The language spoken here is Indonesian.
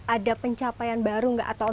ada pencapaian baru nggak atau